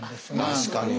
確かに。